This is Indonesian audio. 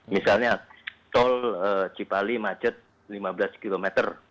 misalnya tol cipali macet lima belas km